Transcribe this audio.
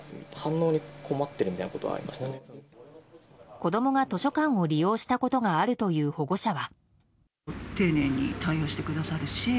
子供が図書館を利用したことがあるという保護者は。